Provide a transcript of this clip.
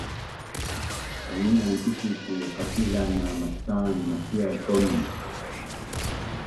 pangian tikic i qacila na mastanin macial kaunun